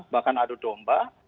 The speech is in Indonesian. bahkan adu domba